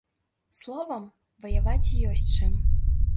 Словам, ваяваць ёсць чым.